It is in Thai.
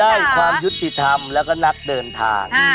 ได้ความยุติธรรมแล้วก็นักเดินทาง